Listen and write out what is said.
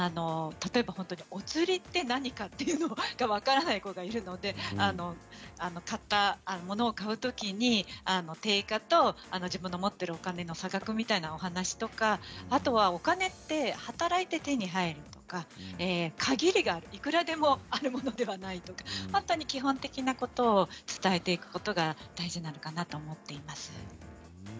例えばお釣りって何かというのが分からない子がいるので物を買うときに定価と自分の持っているお金の差額というお話とかあとはお金って働いて手に入るとか限りがあるいくらでもあるものではないとか本当に基本的なことを伝えていくことが大事なのかなと思っています。